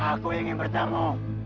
aku ingin bertemu